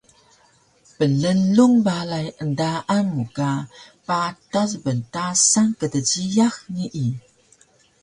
Plnglung balay endaan mu ka patas bntasan kdjiyax nii